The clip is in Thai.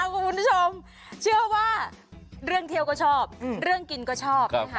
คุณผู้ชมเชื่อว่าเรื่องเที่ยวก็ชอบเรื่องกินก็ชอบนะคะ